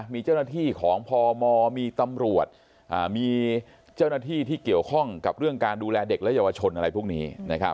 มีเจ้าหน้าที่ของพมมีตำรวจมีเจ้าหน้าที่ที่เกี่ยวข้องกับเรื่องการดูแลเด็กและเยาวชนอะไรพวกนี้